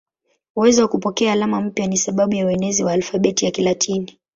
Uwezo wa kupokea alama mpya ni sababu ya uenezi wa alfabeti ya Kilatini.